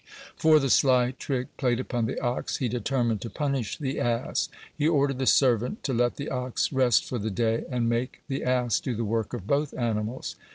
For the sly trick played upon the ox, he determined to punish the ass. He ordered the servant to let the ox rest for the day, and make the ass do the work of both animals.